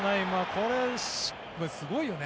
これ、すごいよね。